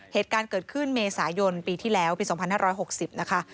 เหตุการณ์เกิดขึ้นเมษายนปีที่แล้วปี๒๕๖๐นะคะ